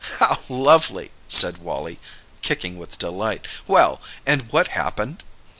"How lovely!" said Wally, kicking with delight. "Well, and what happened?"